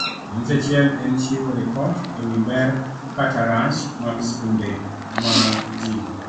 Ranyisi achiel en chiwo ripot e wi ber kata rach mag skunde ma ji